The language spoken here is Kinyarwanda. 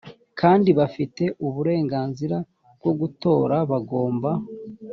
kandi bafite uburenganzira bwo gutora bagomba